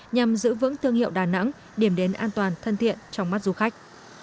nhằm giữ vững thương hiệu đà nẵng điểm đến an toàn thân thiện trong mắt du khách